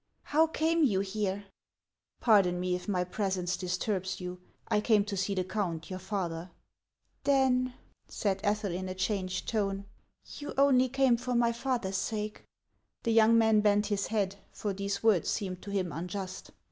" How came you here ?"" Pardon me, if my presence disturbs you. I came to see the count, your father." HANS OF ICELAND. 55 " Then," said Ethel, iu a changed tone, " you only came for my father's sake." The young man bent his head, for these words seemed to him unjust.